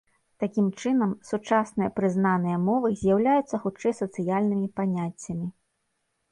Такім чынам, сучасныя прызнаныя мовы з'яўляюцца хутчэй сацыяльнымі паняццямі.